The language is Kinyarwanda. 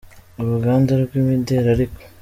uruganda rw’imideli ariko.